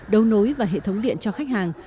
đầu nối và hệ thống điện cho khách hàng